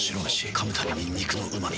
噛むたびに肉のうま味。